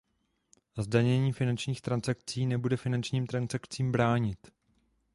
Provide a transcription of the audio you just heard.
Zdanění finančních transakcí nebude finančním transakcím bránit.